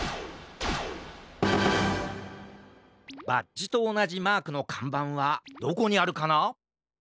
バッジとおなじマークのかんばんはどこにあるかな？